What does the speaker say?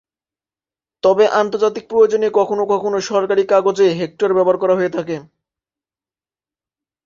তবে আন্তর্জাতিক প্রয়োজনে কখনো কখনো সরকারী কাগজে হেক্টর ব্যবহার করা হয়ে থাকে।